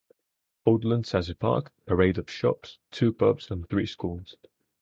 Oatlands has a park, parade of shops, two pubs and three schools.